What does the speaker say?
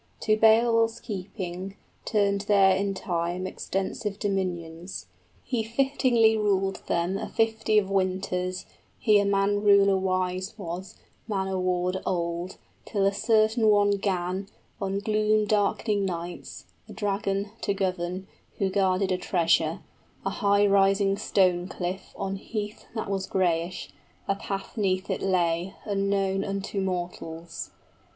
To Beowulf's keeping Turned there in time extensive dominions: {He rules the Geats fifty years.} He fittingly ruled them a fifty of winters (He a man ruler wise was, manor ward old) till A certain one 'gan, on gloom darkening nights, a {The fire drake.} 65 Dragon, to govern, who guarded a treasure, A high rising stone cliff, on heath that was grayish: A path 'neath it lay, unknown unto mortals.